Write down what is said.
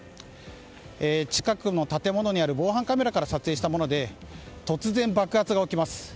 近くの建物にある防犯カメラから撮影したもので突然、爆発が起きます。